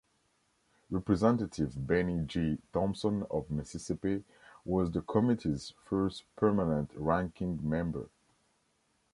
Representative Bennie G. Thompson of Mississippi was the Committee' first permanent Ranking Member.